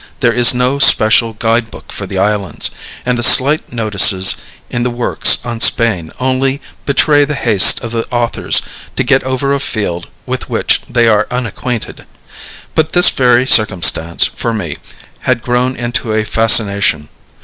There is no special guide book for the islands, and the slight notices in the works on Spain only betray the haste of the authors to get over a field with which they are unacquainted. But this very circumstance, for me, had grown into a fascination.